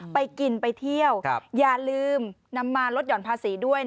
ไปกินไปเที่ยวอย่าลืมนำมาลดหย่อนภาษีด้วย